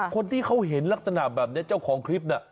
คนที่เขาเห็นลักษณะแบบนี้เจ้าของคลิปน่ะ